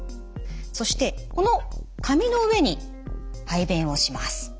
そしてこの紙の上に排便をします。